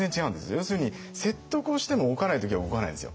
要するに説得をしても動かない時は動かないんですよ。